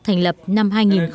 thành lập năm hai nghìn chín